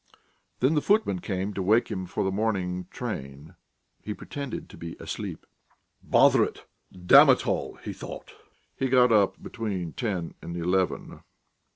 When the footman came to wake him for the morning train, he pretended to be asleep.... "Bother it! Damn it all!" he thought. He got up between ten and eleven.